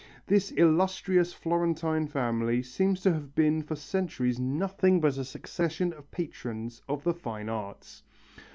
This illustrious Florentine family seems to have been for centuries nothing but a succession of patrons of the fine arts.